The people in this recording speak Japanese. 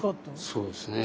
そうですね。